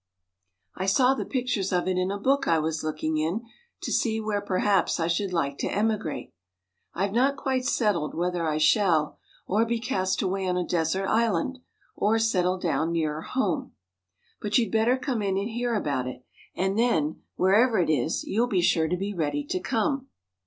I saw the pictures of it in a book I was looking in, to see where perhaps I should like to emigrate. I've not quite settled whether I shall, or be cast away on a desert island, or settle down nearer home; But you'd better come in and hear about it, and then, wherever it is, you'll be sure to be ready to come."